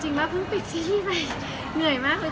ว่าเพิ่งปิดที่นี่ไปเหนื่อยมากเลย